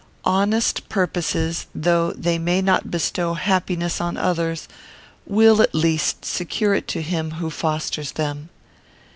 Honest purposes, though they may not bestow happiness on others, will, at least, secure it to him who fosters them.